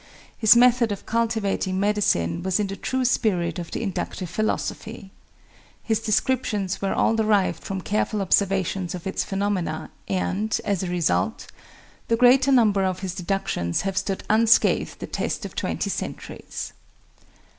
His method of cultivating medicine was in the true spirit of the inductive philosophy. His descriptions were all derived from careful observation of its phenomena, and, as a result, the greater number of his deductions have stood unscathed the test of twenty centuries.